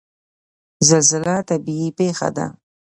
زلزله طبیعي پیښه ده